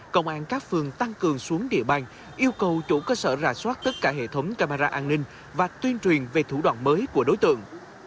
công an các phường tăng cường xuống địa bàn yêu cầu chủ cơ sở rà soát tất cả hệ thống camera an ninh và tuyên truyền về thủ đoạn mới của đối tượng